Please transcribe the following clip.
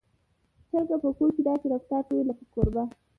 چرګه په کور کې داسې رفتار کوي لکه کوربه.